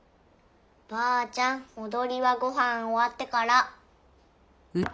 ばあちゃんおどりはごはんおわってから。